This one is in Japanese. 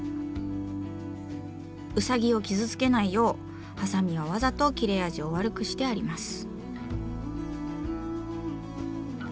ウサギを傷つけないようハサミはわざと切れ味を悪くしてあります。